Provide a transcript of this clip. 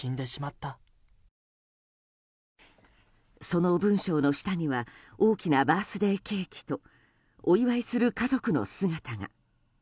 その文章の下には大きなバースデーケーキとお祝いする家族の姿が。